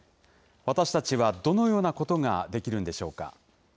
私たちはどのようなことができるんでしょうか。